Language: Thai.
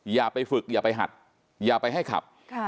อย่าไปฝึกอย่าไปหัดอย่าไปให้ขับ